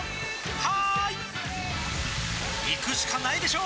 「はーい」いくしかないでしょ！